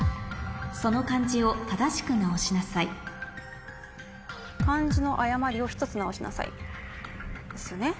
その漢字を正しく直しなさい「漢字の誤りを１つ直しなさい」ですよね。